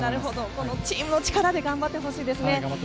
このチームの力で頑張ってほしいですね。